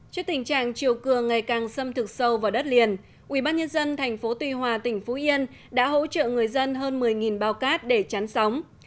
trước tình trạng chiều cưa ngày càng xâm thực sâu vào đất liền ủy ban nhân dân tp tuy hòa tỉnh phú yên đã hỗ trợ người dân hơn một mươi bao cát để chán sóng